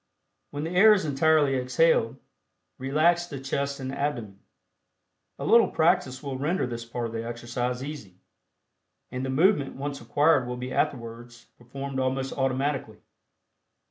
When the air is entirely exhaled, relax the chest and abdomen. A little practice will render this part of the exercise easy, and the movement once acquired will be afterwards performed almost automatically.